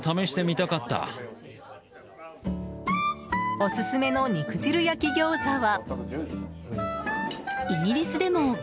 オススメの肉汁焼餃子は。